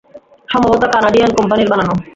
সম্ভবত কানাডিয়ান কোম্পানির বানানো।